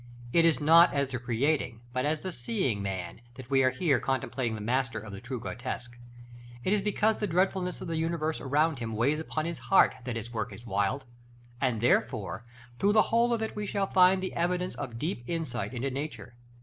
It is not as the creating but as the seeing man, that we are here contemplating the master of the true grotesque. It is because the dreadfulness of the universe around him weighs upon his heart, that his work is wild; and therefore through the whole of it we shall find the evidence of deep insight into nature.